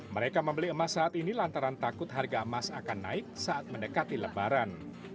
mereka membeli emas saat ini lantaran takut harga emas akan naik saat mendekati lebaran